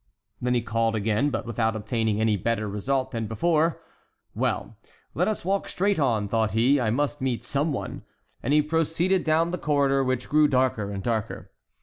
Then he called again, but without obtaining any better result than before. "Well, let us walk straight on," thought he, "I must meet some one," and he proceeded down the corridor, which grew darker and darker.